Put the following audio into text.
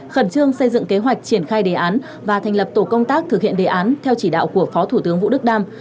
khẩn trương xây dựng kế hoạch triển khai đề án và thành lập tổ công tác thực hiện đề án theo chỉ đạo của phó thủ tướng vũ đức đam